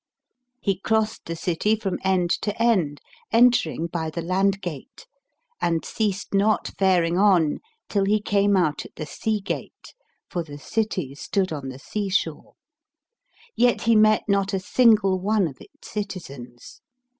He crossed the city from end to end, entering by the land gate, and ceased not faring on till he came out at the sea gate, for the city stood on the sea shore. Yet he met not a single one of its citizens.